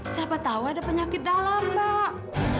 siapa tahu ada penyakit dalam mbak